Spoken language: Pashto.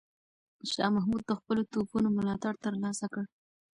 شاه محمود د خپلو توپونو ملاتړ ترلاسه کړ.